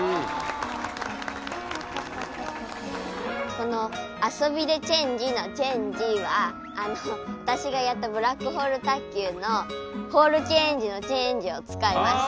この「遊びでチェンジ」の「チェンジ」は私がやったブラックホール卓球のホールチェンジの「チェンジ」を使いました。